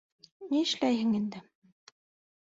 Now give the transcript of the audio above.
— Ни эшләйһең инде.